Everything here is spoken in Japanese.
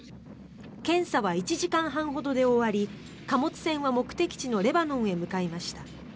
検査は１時間半ほどで終わり貨物船は目的地のレバノンへ向かいました。